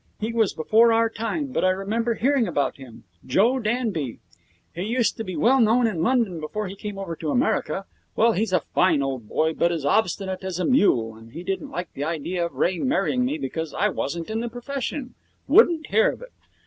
He was before our time, but I remember hearing about him Joe Danby. He used to be well known in London before he came over to America. Well, he's a fine old boy, but as obstinate as a mule, and he didn't like the idea of Ray marrying me because I wasn't in the profession. Wouldn't hear of it.